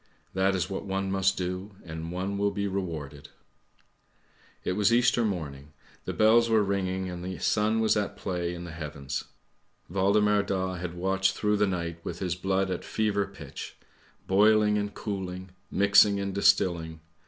That is what one must do and one will be rewarded !'" It was Easter morning, the bells were ringing, and the sun was at play in the heavens. Waldemar Daa had watched through the night with his blood at fever pitch; boiling and cooling; mixing and distilling.